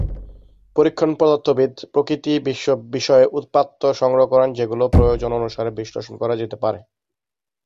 পরীক্ষণ পদার্থবিদ প্রকৃতি-বিশ্ব বিষয়ে উপাত্ত সংগ্রহ করেন, যেগুলো প্রয়োজন অনুসারে বিশ্লেষণ করা যেতে পারে।